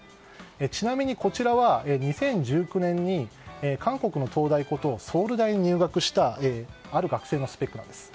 ちなみに、こちらは２０１９年に韓国の東大ことソウル大に入学したある学生のスペックなんです。